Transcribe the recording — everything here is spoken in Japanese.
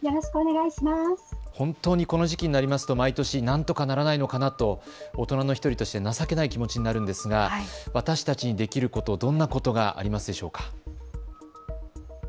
本当にこの時期になりますと毎年なんとかならないのかなと、大人の１人として情けない気持ちになるんですが、私たちにできること、どんなことがありますでしょうか。